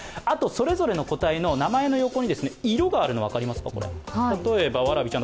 それぞれの個体の名前の横に色があるの、分かりますか。